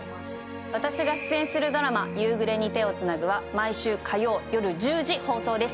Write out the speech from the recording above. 私が出演するドラマ「夕暮れに、手をつなぐ」は毎週火曜夜１０時放送です。